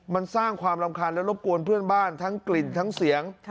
มันสร้างความรำคาญและรบกวนเพื่อนบ้านทั้งกลิ่นทั้งเสียง